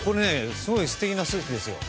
すごい素敵なスーツですよ。